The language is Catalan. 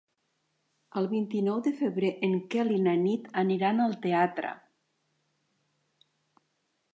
El vint-i-nou de febrer en Quel i na Nit aniran al teatre.